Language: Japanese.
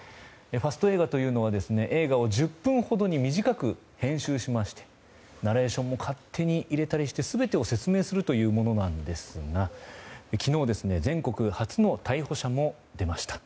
ファスト映画というのは映画を１０分ほどに短く編集しましてナレーションも勝手に入れたりして全てを説明するというものなんですが昨日、全国初の逮捕者も出ました。